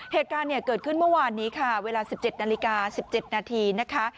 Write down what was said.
เหตุการณ์เกิดขึ้นเมื่อวานนี้ค่ะเวลา๑๗นาฬิกา๑๗นาทีนะคะ